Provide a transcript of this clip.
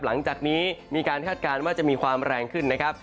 หลังจากนี้มีการคาดการณ์ว่าจะมีความแรงขึ้นนะครับ